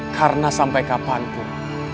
karena sampai kapanpun